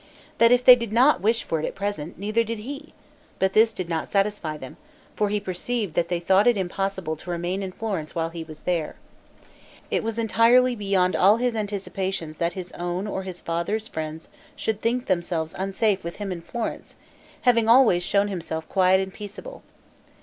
That if they did not wish for it at present, neither did he; but this did not satisfy them; for he perceived that they thought it impossible to remain in Florence while he was there. It was entirely beyond all his anticipations that his own or his father's friends should think themselves unsafe with him in Florence, having always shown himself quiet and peaceable.